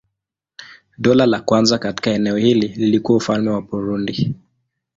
Dola la kwanza katika eneo hili lilikuwa Ufalme wa Burundi.